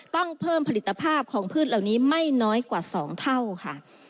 ต้องเพิ่มผลิตภาพของพืชเหล่านี้ไม่น้อยกว่า๒เท่าค่ะ